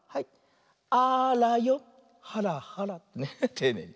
ていねいに。